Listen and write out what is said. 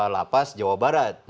lapas jawa barat